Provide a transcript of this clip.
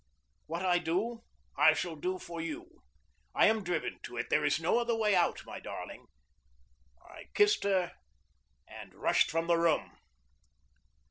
What I do I shall do for you. I am driven to it. There is no other way out, my darling!" I kissed her and rushed from the room.